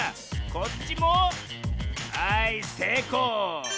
こっちもはいせいこう！